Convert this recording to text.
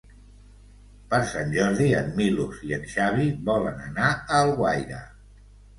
Per Sant Jordi en Milos i en Xavi volen anar a Alguaire.